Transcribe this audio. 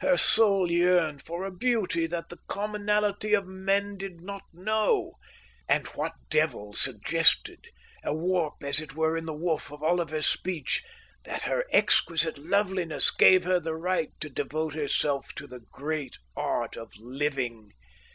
Her soul yearned for a beauty that the commonalty of men did not know. And what devil suggested, a warp as it were in the woof of Oliver's speech, that her exquisite loveliness gave her the right to devote herself to the great art of living?